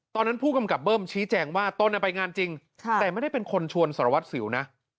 ตอนนั้นผู้กำกับเบิ้มชี้แจงว่าตนไปงานจริงแต่ไม่ได้เป็นคนชวนสารวัตรสิวนะ